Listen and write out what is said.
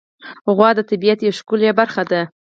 غوا د طبیعت یوه ښکلی برخه ده.